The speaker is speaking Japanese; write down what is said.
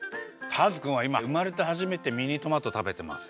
ターズくんはいまうまれてはじめてミニトマトたべてます。